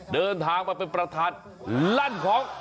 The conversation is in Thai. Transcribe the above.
เดินทางมาเป็นประธานลั่นของ